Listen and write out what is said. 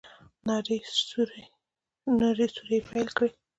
نارې سورې يې پيل کړې.